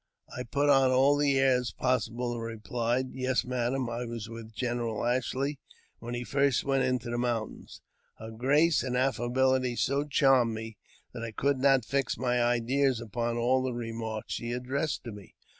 I put on all the airs possible, and replied, " Yes, mad I was with General Ashley when he first went to th( mountains." Her grace and affability so charmed me that I could not fi: my ideas upon all the remarks she addressed to me.